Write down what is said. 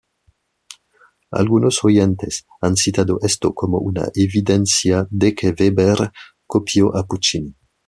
Algunos oyentes han citado esto como una evidencia de que Webber copió a Puccini.